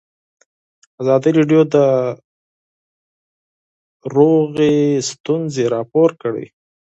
ازادي راډیو د سوله ستونزې راپور کړي.